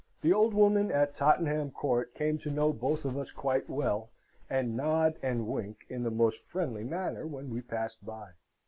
The old woman at Tottenham Court came to know both of us quite well, and nod and wink in the most friendly manner when we passed by.